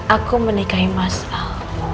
aku menikahi mas al